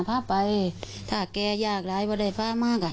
พาไปถ้าแกยากเลยไม่ได้พามากอะ